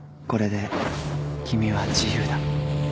これで君は自由だ。